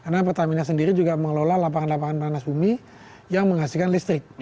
karena pertamina sendiri juga mengelola lapangan lapangan panas bumi yang menghasilkan listrik